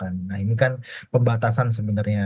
nah ini kan pembatasan sebenarnya